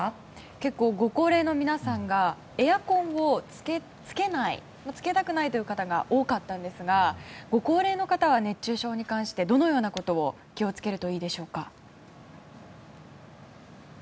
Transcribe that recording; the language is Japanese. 結構、ご高齢の皆さんがエアコンをつけないつけたくないという方が多かったんですがご高齢の方は熱中症に関してどのようなことを気をつけるといいでしょうか。